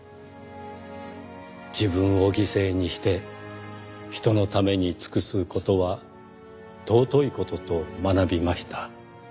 「自分を犠牲にして他人のために尽くす事は尊い事と学びました」